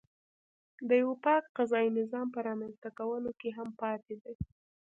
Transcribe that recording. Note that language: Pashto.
د یوه پاک قضایي نظام په رامنځته کولو کې هم پاتې دی.